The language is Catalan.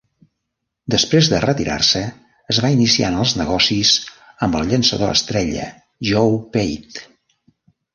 Després de retirar-se, es va iniciar en els negocis amb el llançador estrella Joe Pate.